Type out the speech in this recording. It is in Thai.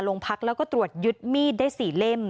ลงพักแล้วก็ตรวจยึดมีดได้๔เล่ม